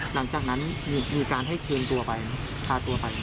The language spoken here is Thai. หลังจากนั้นมีการให้เชิญตัวไปพาตัวไป